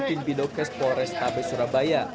di bidokes polres tabe surabaya